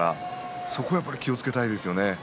そこは気をつけたいですね。